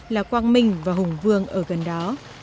là quang minh và hùng vương ở gần đó